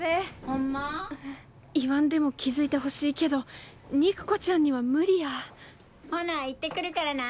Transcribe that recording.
・ホンマ？言わんでも気付いてほしいけど肉子ちゃんには無理やほな行ってくるからな！